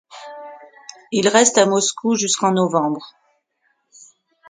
Il reste à Moscou jusqu'en novembre.